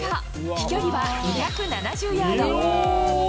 飛距離は２７０ヤード。